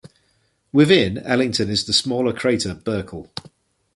Within Ellington is the smaller crater Berkel.